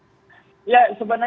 ya sebenarnya tim yang bekerja